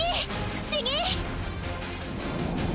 不思議！